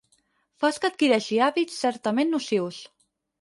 Fas que adquireixi hàbits certament nocius.